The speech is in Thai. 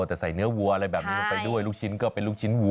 แต่ใส่เนื้อวัวอะไรแบบนี้ลงไปด้วยลูกชิ้นก็เป็นลูกชิ้นวั